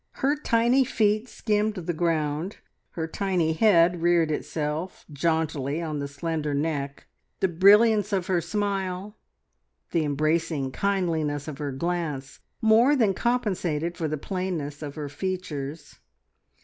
Her tiny feet skimmed the ground, her tiny head reared itself jauntily on the slender neck, the brilliance of her smile, the embracing kindliness of her glance more than compensated for the plainness of her features.